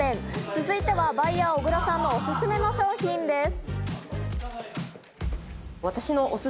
続いてはバイヤー・小倉さんのおすすめの商品です。